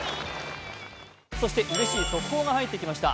そして速報が入ってきました。